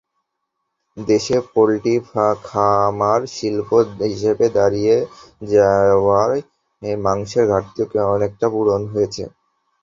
দেশে পোলট্রি খামার শিল্প হিসেবে দাঁড়িয়ে যাওয়ায় মাংসের ঘাটতিও অনেকটা পূরণ হয়েছে।